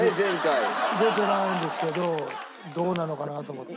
出てないんですけどどうなのかなと思って。